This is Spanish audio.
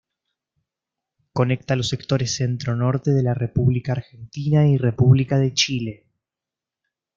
Conecta los sectores centronorte de la República Argentina y República de Chile.